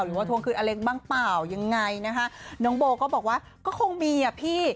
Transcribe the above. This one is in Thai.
ทวงคืนอเล็กบ้างเปล่ายังไงนะคะน้องโบก็บอกว่าก็คงมีอ่ะพี่